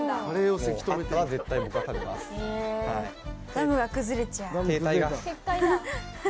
ダムが崩れちゃう。